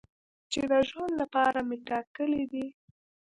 چې د ژوند لپاره مې ټاکلی دی.